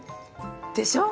でしょ。